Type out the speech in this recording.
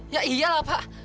ya iyalah pak